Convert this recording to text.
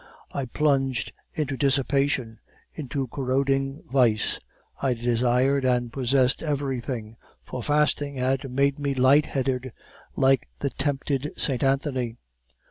I plunged into dissipation, into corroding vice, I desired and possessed everything, for fasting had made me light headed like the tempted Saint Anthony.